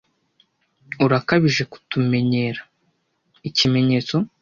urakabije kutumenyera ikimenyetso